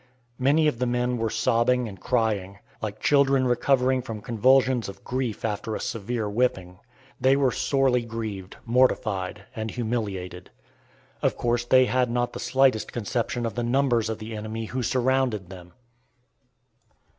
Many of the men were sobbing and crying, like children recovering from convulsions of grief after a severe whipping. They were sorely grieved, mortified, and humiliated. Of course they had not the slightest conception of the numbers of the enemy who surrounded them.